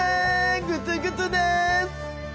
グツグツです！